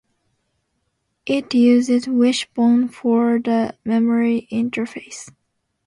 It uses Wishbone for the memory interface.